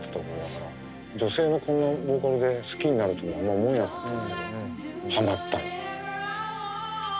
女性のこんなボーカルで好きになるとはあんま思わなかったのにはまった。